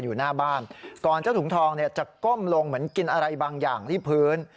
อยู่หน้าบ้านก่อนเจ้าถุงทองเนี่ยจะก้มลงเหมือนกินอะไรบางอย่างที่พื้น